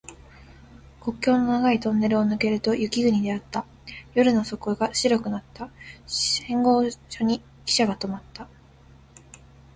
国境の長いトンネルを抜けると雪国であった。夜の底が白くなった。信号所にきしゃが止まった。